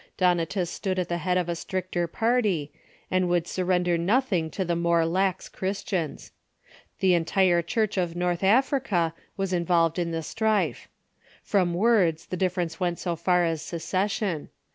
Donatus stood at the head of the stricter party, and would surrender nothing to the more lax Christians. The entire Church of North Africa was involved in the strife. From words the difference went so far as secession.